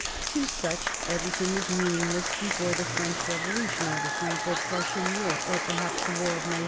To such everything is meaningless before the French Revolution or the Franco Prussian War or perhaps the War of 1914.